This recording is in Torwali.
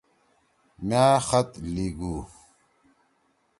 مأ خط لیِگُو۔